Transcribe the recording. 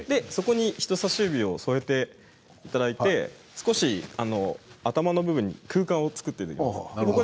そこに人さし指を添えていただいて少し頭の部分に空間を作ります。